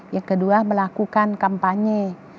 yang kedua melakukan kampanye